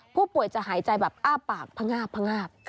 ผู้ป่วยจะหายใจแบบอ้าปากพงาบพงาบ